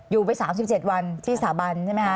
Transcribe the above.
อยู่ไป๓๗วันที่สถาบันใช่ไหมคะ